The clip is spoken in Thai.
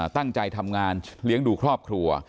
ตั้งใจทำงานเลี้ยงดูครอบครัว